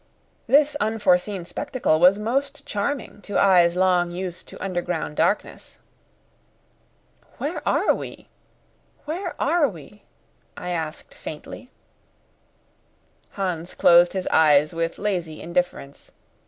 This unforeseen spectacle was most charming to eyes long used to underground darkness. "Where are we? Where are we?" I asked faintly. Hans closed his eyes with lazy indifference.